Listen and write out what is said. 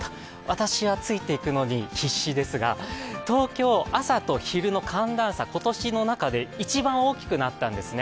私はついていくのに必死ですが、東京、朝と昼の寒暖差、今年の中で一番大きくなったんですね。